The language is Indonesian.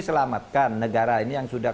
selamatkan negara ini yang sudah